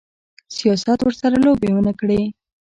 سیاست ورسره لوبې ونه کړي.